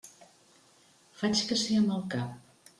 Faig que sí amb el cap.